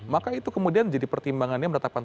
maka itu kemudian jadi pertimbangannya meratakan seseorang